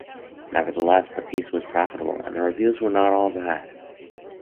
Nevertheless, the piece was profitable, and the reviews were not all bad.